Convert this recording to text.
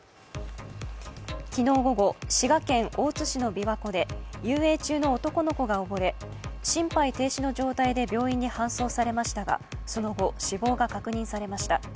昨日午後、滋賀県大津市の琵琶湖で遊泳中の男の子が溺れ、心肺停止の状態で病院に搬送されましたが、その後死亡が確認されました。